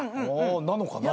なのかな？